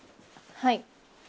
はい。